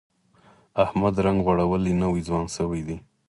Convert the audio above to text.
احمد رنګ غوړولی، نوی ځوان شوی دی.